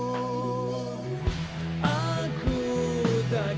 aku takkan pernah jatuh cinta lagi